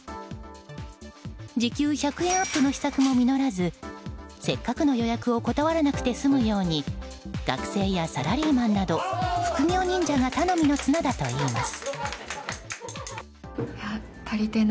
時給１００円アップの秘策も実らずせっかくの予約を断らなくて済むように学生やサラリーマンなど副業忍者が頼みの綱だといいます。